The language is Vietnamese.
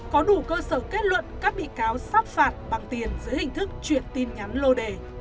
có đủ cơ sở kết luận các bị cáo sát phạt bằng tiền dưới hình thức chuyển tin nhắn lô đề